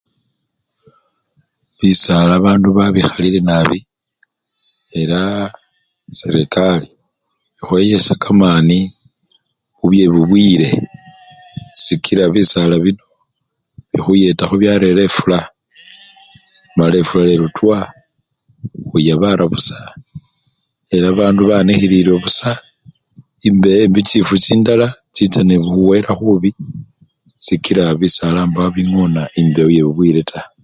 Bisala bandu babikhalile nabii elaa serekari ekhoyele kamani kubyebubwile sikila bisala bino bikhuyetakho byarela efula mala efwe lelo twa khwiyabara busa, ela bandu banikhilile busa embewo embi, chifu chindala chicha nende khuwela khubi sikila bisala mbawo bingona embewo yebwibwile taa.